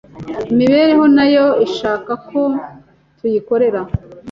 imibereho , nayo ishakako tuyikorera.